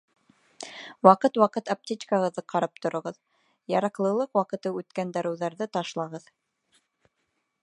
Ваҡыт-ваҡыт аптечкағыҙҙы ҡарап тороғоҙ, яраҡлылыҡ ваҡыты үткән дарыуҙарҙы ташлағыҙ!